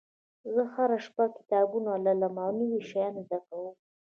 زه هره شپه کتابونه لولم او نوي شیان زده کوم